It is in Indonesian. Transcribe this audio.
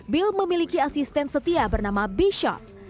bill memiliki asisten setia bernama bishop